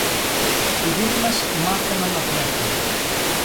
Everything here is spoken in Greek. Οι δίδυμες μάθαιναν να πλέκουν